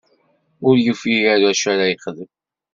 Ur yufi ara acu ara yexdem.